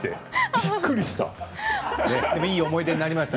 びっくりした。